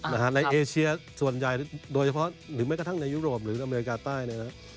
ในเอเชียส่วนใหญ่โดยเฉพาะหรือแม้กระทั่งในยุโรปหรืออเมริกาใต้เนี่ยนะครับ